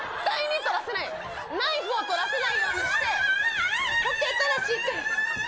ナイフを取らせないようにしてこけたらしっかり。